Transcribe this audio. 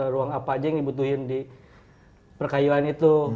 ruang apa aja yang dibutuhin di perkayuan itu